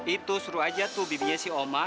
itu seru aja tuh bibinya si oma